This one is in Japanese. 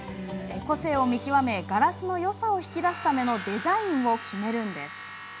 個性を見極めガラスのよさを引き出すためのデザインを決めるんです。